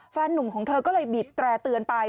นุ่มของเธอก็เลยบีบแตร่เตือนไป